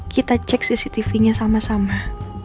kita cek cctvnya sama sama